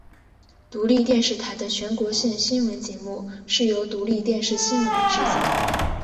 独立电视台的全国性新闻节目是由独立电视新闻制作。